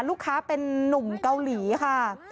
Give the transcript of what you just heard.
ลูกค้าเป็นนุ่มเกาหลีค่ะ